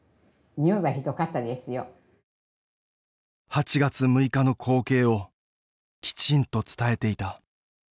８月６日の光景をきちんと伝えていた